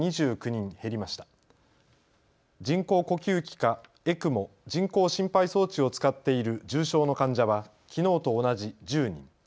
人工呼吸器かＥＣＭＯ・人工心肺装置を使っている重症の患者はきのうと同じ１０人。